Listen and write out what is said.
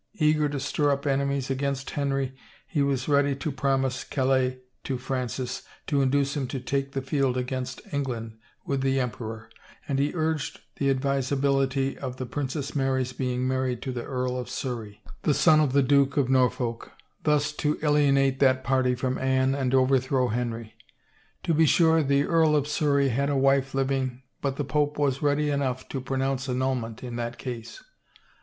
Eager to stir up enemies against Henry he was ready to promise Calais to Francis to induce him to take the field against Eng land with the emperor, and he urged the advisability of the Princess Mary's being married to the Earl of Surrey, the son of the Duke of Norfolk, thus to alienate that party from Anne and overthrow Henry. To be sure the Earl of Surrey had a wife living but the pope was ready enough to pronounce annulment in that case.